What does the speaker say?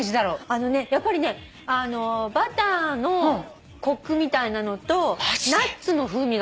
あのねやっぱりねバターのコクみたいなのとナッツの風味があるんだって。